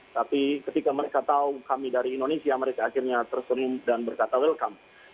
tapi ketika mereka tahu kami dari indonesia mereka akhirnya tersenyum dan berkata welcome